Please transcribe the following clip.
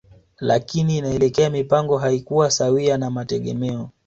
Lakini inaelekea mipango haikuwa sawia na mategemeo